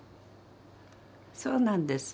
そうなんです。